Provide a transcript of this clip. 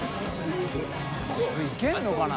海いけるのかな？